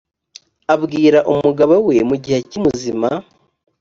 abwira umugabo we mu gihe akiri muzima